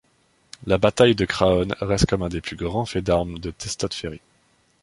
La bataille de Craonne reste comme un des plus grands faits d'armes de Testot-Ferry.